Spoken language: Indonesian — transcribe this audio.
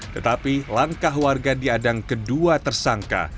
tetapi langkah warga di adang kedua tersangka